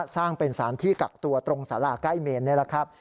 สร้างเป็นสารที่กักตัวตรงสาราใกล้เมนนี่แหละครับ